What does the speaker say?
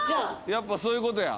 やっぱそういう事や。